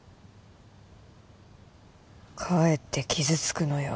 かえって傷つくのよ。